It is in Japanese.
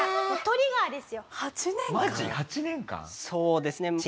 そうですね。